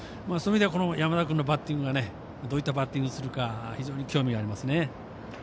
そういう意味では山田君のバッティングどういったバッティングするか非常に興味がありますね。